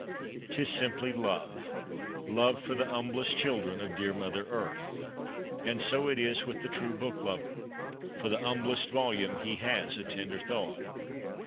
'Tis simply love — love for the humblest children of dear Mother Earth. And so it is with the true book lover ; for the humblest volume he has a tender thought.